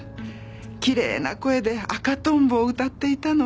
きれいな声で『赤とんぼ』を歌っていたのを。